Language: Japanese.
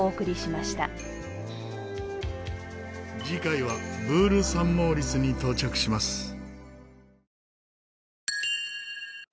次回はブール・サン・モーリスに到着します。